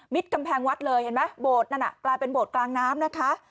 กำแพงวัดเลยเห็นไหมโบสถนั่นน่ะกลายเป็นโบสถ์กลางน้ำนะคะ